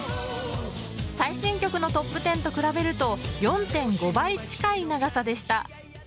最新曲のトップ１０と比べると４．５倍近い長さでした。